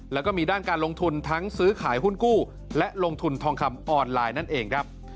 แล้วก็มีด้านการลงทุนทั้งซื้อขายหุ้นกู้และลงทุนทองคำออนไลน์นั่นเองครับ